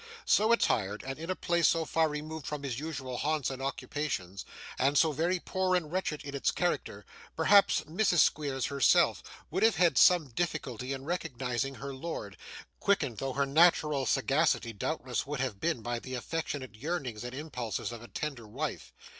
So attired, and in a place so far removed from his usual haunts and occupations, and so very poor and wretched in its character, perhaps Mrs Squeers herself would have had some difficulty in recognising her lord: quickened though her natural sagacity doubtless would have been by the affectionate yearnings and impulses of a tender wife.